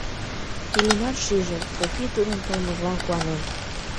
Иллимар шиже: Софи тудын толмыжлан куанен.